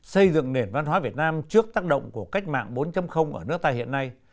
xây dựng nền văn hóa việt nam trước tác động của cách mạng bốn ở nước ta hiện nay